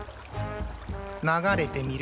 流れてみる？